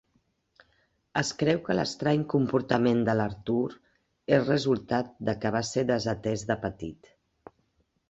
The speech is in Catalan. Es creu que l'estrany comportament de l'Arthur és resultat de que va ser desatès de petit.